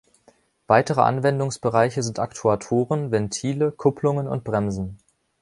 Weitere Anwendungsbereiche sind Aktuatoren, Ventile, Kupplungen und Bremsen.